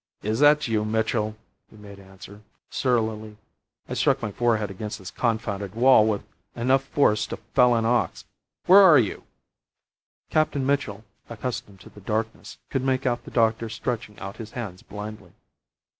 "Is that you, Mitchell?" he made answer, surlily. "I struck my forehead against this confounded wall with enough force to fell an ox. Where are you?" Captain Mitchell, accustomed to the darkness, could make out the doctor stretching out his hands blindly.